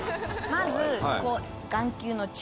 まず。